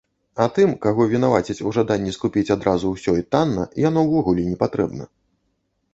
А тым, каго вінавацяць у жаданні скупіць адразу ўсё і танна, яно ўвогуле непатрэбна.